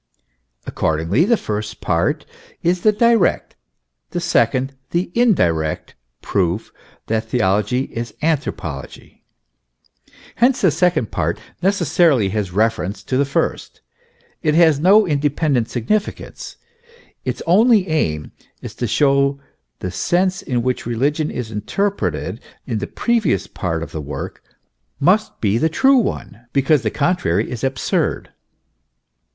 Accordingly the first part is the direct, the second the indirect proof, that theology is anthropology : hence the second part necessarily has reference to the first ; it has no independent significance ; its only aim is to show, that the sense in which religion is interpreted in the previous part of the work must be the true one, because the contrary is ab surd.